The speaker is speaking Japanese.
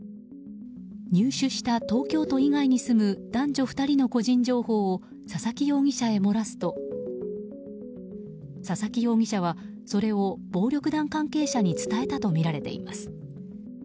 入手した東京都以外に住む男女２人の個人情報を佐々木容疑者へ漏らすと佐々木容疑者はそれを暴力団関係者に伝えたとみられています。